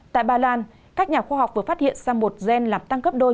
tại bà loan các nhà khoa học vừa phát hiện ra một gen làm tăng cấp đôi